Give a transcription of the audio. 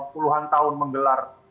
puluhan tahun menggelar